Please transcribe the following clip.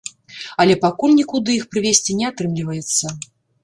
Але пакуль нікуды іх прывезці не атрымліваецца.